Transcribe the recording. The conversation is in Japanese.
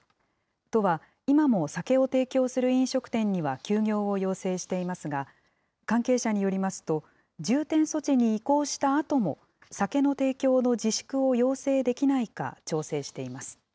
都は、今も酒を提供する飲食店には休業を要請していますが、関係者によりますと、重点措置に移行したあとも、酒の提供の自粛を要請できないか調整しています。